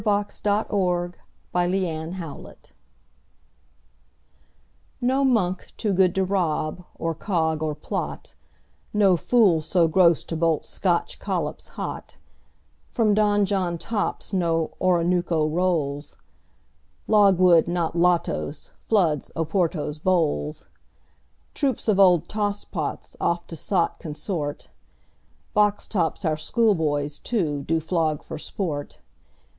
INCONTROVERTIBLE FACTS NO monk too good to rob, or cog, or plot, No fool so gross to bolt Scotch collops hot From Donjon tops no Oronooko rolls. Logwood, not lotos, floods Oporto's bowls. Troops of old tosspots oft to sot consort. Box tops our schoolboys, too, do flog for sport.